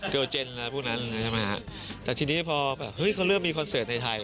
เจนแล้วพวกนั้นใช่ไหมฮะแต่ทีนี้พอแบบเฮ้ยเขาเริ่มมีคอนเสิร์ตในไทย